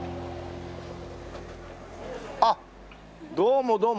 あっどうもどうも。